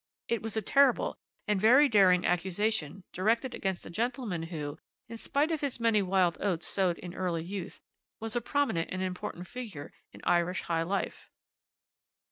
It was a terrible and very daring accusation directed against a gentleman who, in spite of his many wild oats sowed in early youth, was a prominent and important figure in Irish high life.